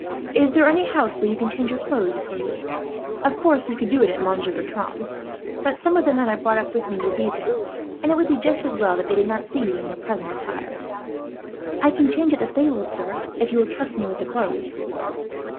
"Is there any house where you can change your clothes, Pierre? Of course you could do so at Monsieur Bertram's, but some of the men I brought with me will be there, and it would be just as well that they did not see you in your present attire." "I can change at the stables, sir, if you will trust me with the clothes."